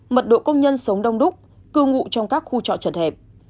mật độ công nhân sống đông đúc cưu ngụ trong các khu trọ trật hẹp